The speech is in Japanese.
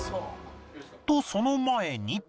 とその前に